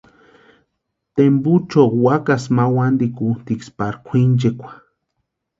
Tempucho wakasï ma wantikutiksï pari kwʼinchekwa.